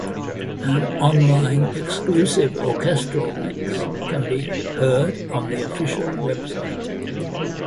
An online exclusive "orchestral" mix can be heard on the Official website.